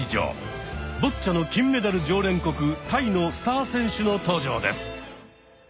ボッチャの金メダル常連国タイのスター選手の登場です。